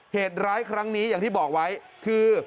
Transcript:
เหตุร้ายครั้งนี้อย่างที่บอกไว้คือ